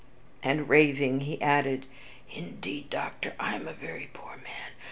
And, raving, he added, "Indeed, Doctor, I am a very poor man.